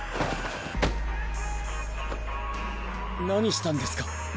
何したんですか？